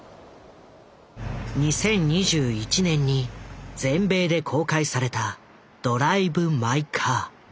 ２０２１年に全米で公開された「ドライブ・マイ・カー」。